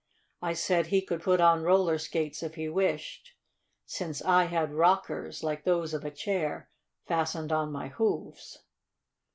I said he could put on roller skates if he wished, since I had rockers, like those of a chair, fastened on my hoofs."